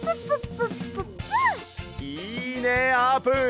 いいねあーぷん！